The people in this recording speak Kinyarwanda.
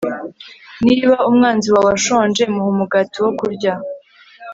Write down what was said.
niba umwanzi wawe ashonje, muhe umugati wo kurya